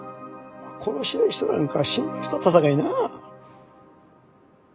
殺し合いしとらんか心配しとったさかいな。